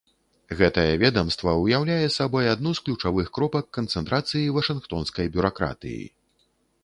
Гэтае ведамства ўяўляе сабой адну з ключавых кропак канцэнтрацыі вашынгтонскай бюракратыі.